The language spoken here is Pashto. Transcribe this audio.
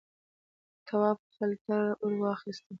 تواب خلته ور واخیسته.